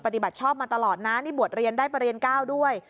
ปฏิบัติชอบมาตลอดนะนี่บวชเรียนได้ประเรียน๙ด้วย